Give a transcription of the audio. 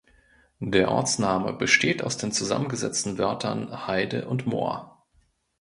Der Ortsname besteht aus den zusammengesetzten Wörtern Heide und Moor.